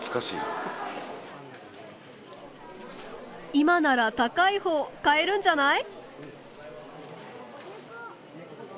今なら高い方買えるんじゃない？